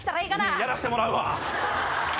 やらしてもらうわ。